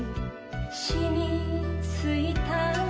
「浸みついた」